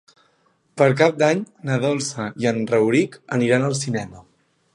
Per Cap d'Any na Dolça i en Rauric aniran al cinema.